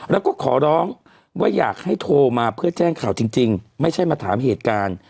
แล้วก็ขอร้องว่าอยากให้โทรมาเพื่อแจ้งข่าวจริงไม่ใช่มาถามเหตุการณ์